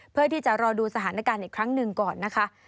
เพื่อที่จะรอดูสถานการณ์อีกครั้งหนึ่งก่อนนะคะ